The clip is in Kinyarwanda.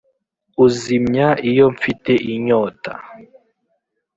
uzimya iyo mfite inyota